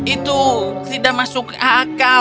itu tidak masuk akal